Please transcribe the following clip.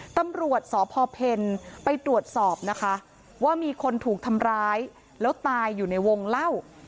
ตำรวจสพเพลไปตรวจสอบนะคะว่ามีคนถูกทำร้ายแล้วตายอยู่ในวงเล่า